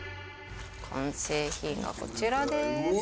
完成品がこちらです。